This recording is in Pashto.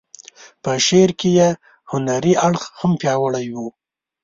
په شعر کې یې هنري اړخ هم پیاوړی و.